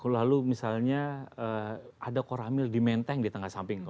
lalu misalnya ada koramil di menteng di tengah samping